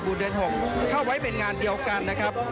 เดือน๖เข้าไว้เป็นงานเดียวกันนะครับ